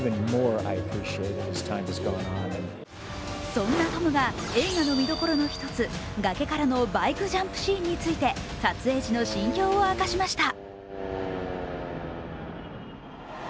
そんなトムが映画の見どころの一つ、崖からのバイクジャンプシーンについて、撮影時の心境を明かしました。